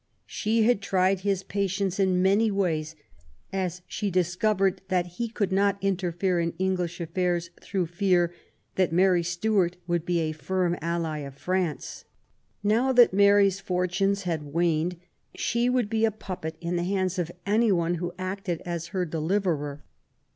She had tried his patience in many ways, as she discovered that he could not interfere in English affairs through fear that Mary Stuart would be a firm ally of France. Now that Mary's fortunes had waned, she would be a puppet in the hands of any one who acted as her deliverer.